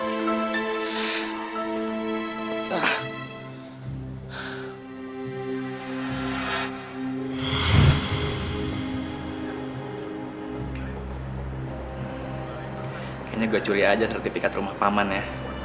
kayaknya gue curi aja sertifikat rumah pak man ya